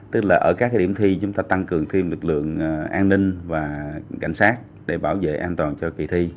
tức là ở các điểm thi chúng ta tăng cường thêm lực lượng an ninh và cảnh sát để bảo vệ an toàn cho kỳ thi